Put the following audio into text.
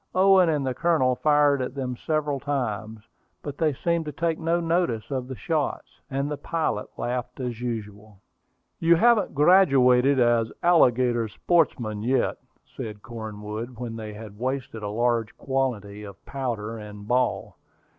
Owen and the Colonel fired at them several times; but they seemed to take no notice of the shots, and the pilot laughed as usual. "You haven't graduated as alligator sportsmen yet," said Cornwood when they had wasted a large quantity of powder and ball.